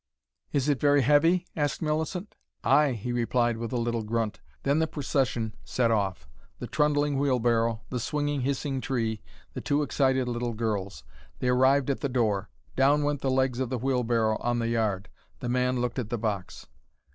"Is it very heavy?" asked Millicent. "Ay!" he replied, with a little grunt. Then the procession set off the trundling wheel barrow, the swinging hissing tree, the two excited little girls. They arrived at the door. Down went the legs of the wheel barrow on the yard. The man looked at the box.